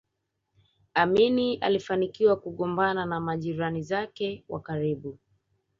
Amin alifanikiwa kugombana na majirani zake wa karibu